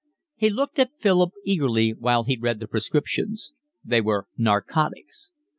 He looked at Philip eagerly while he read the prescriptions. They were narcotics.